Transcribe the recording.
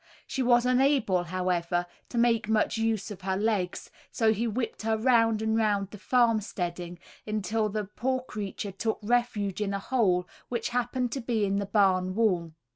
She was unable, however, to make much use of her legs, so he whipped her round and round the farm steading, until the poor creature took refuge in a hole, which happened to be in the barn wall.